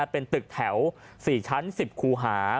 เป็นตึกแถว๔ชั้น๑๐คูหา